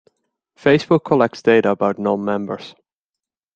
Facebook collects data about non-members.